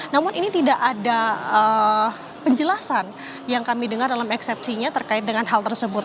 namun ini tidak ada penjelasan yang kami dengar dalam eksepsinya terkait dengan hal tersebut